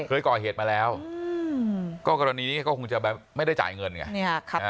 เคยก่อเหตุมาแล้วก็กรณีนี้ก็คงจะแบบไม่ได้จ่ายเงินเนี่ยครับ